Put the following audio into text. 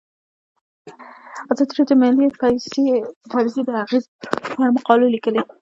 ازادي راډیو د مالي پالیسي د اغیزو په اړه مقالو لیکلي.